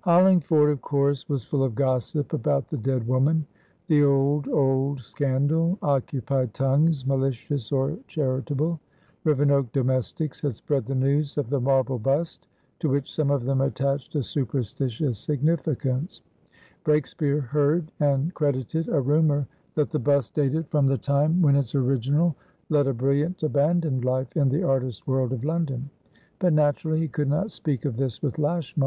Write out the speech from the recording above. Hollingford, of course, was full of gossip about the dead woman. The old, old scandal occupied tongues malicious or charitable. Rivenoak domestics had spread the news of the marble bust, to which some of them attached a superstitious significance; Breakspeare heard, and credited, a rumour that the bust dated from the time when its original led a brilliant, abandoned life in the artist world of London; but naturally he could not speak of this with Lashmar.